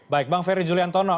baik bang ferry juliantono